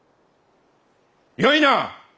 よいな！